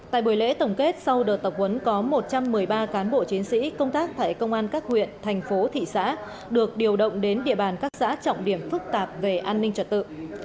tại buổi lễ tổng kết sau đợt tập huấn có một trăm một mươi ba cán bộ chiến sĩ công tác tại công an các huyện thành phố thị xã được điều động đến địa bàn các xã trọng điểm phức tạp về an ninh trật tự